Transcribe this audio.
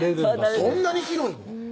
そんなに広いの？